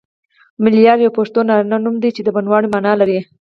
ملیار یو پښتو نارینه نوم دی چی د بڼوال معنی لری